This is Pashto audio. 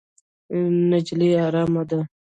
نجلۍ ارامه ده.